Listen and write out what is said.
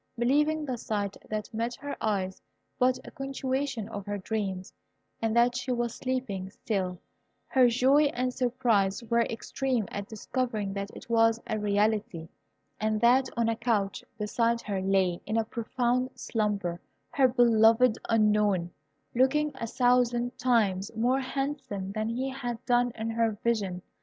Believing the sight that met her eyes but a continuation of her dreams, and that she was sleeping still, her joy and surprise were extreme at discovering that it was a reality, and that on a couch beside her lay, in a profound slumber, her beloved Unknown, looking a thousand times more handsome than he had done in her vision.